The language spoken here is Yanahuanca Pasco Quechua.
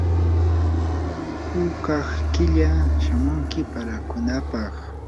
hukaq killa shamunki parlakunapaq.